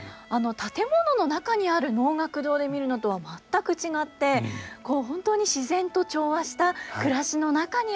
建物の中にある能楽堂で見るのとは全く違って本当に自然と調和した暮らしの中にある能舞台なんですね。